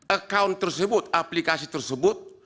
account tersebut aplikasi tersebut